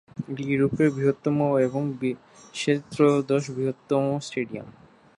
এটি ইউরোপের বৃহত্তম এবং বিশ্বের ত্রয়োদশ বৃহত্তম স্টেডিয়াম।